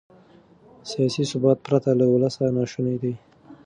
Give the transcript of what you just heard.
سیاسي ثبات پرته له ولسه ناشونی دی.